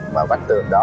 mà bắt trường đó